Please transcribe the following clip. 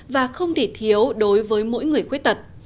và không thể thiếu đối với mỗi người khuyết tật